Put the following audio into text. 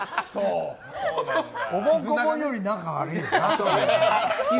おぼん・こぼんより仲悪いよな。